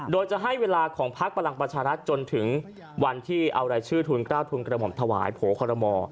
โดยจะให้เวลาของพักพลังประชารัฐจนถึงวันที่เอารายชื่อทุนกล้าทุนกระหม่อมถวายโผล่คอรมอ